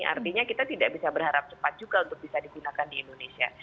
artinya kita tidak bisa berharap cepat juga untuk bisa digunakan di indonesia